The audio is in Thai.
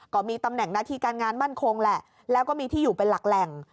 ก็มีตำแหน่งหน้าที่การงานมั่นคงแหละแล้วก็มีที่อยู่เป็นหลักแหล่ง